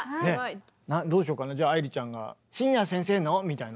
どうしようかなじゃあ愛理ちゃんが「信也先生の！」みたいな。